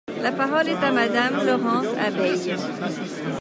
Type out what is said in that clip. La parole est à Madame Laurence Abeille.